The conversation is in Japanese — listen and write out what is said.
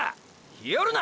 ひよるな！！